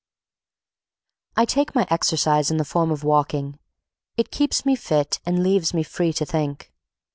I take my exercise in the form of walking. It keeps me fit and leaves me free to think.